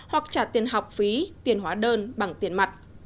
hoặc trả tiền học phí tiền hóa đơn bằng tiền mặt